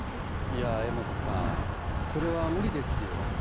いや江本さんそれは無理ですよ